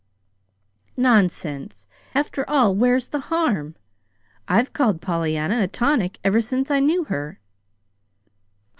"Nonsense! After all, where's the harm? I've called Pollyanna a tonic ever since I knew her."